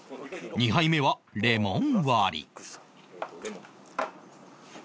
２杯目はレモン割り